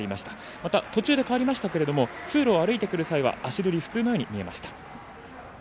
また、途中で代わりましたが通路を歩いてくる際は足取りは普通なように見えました。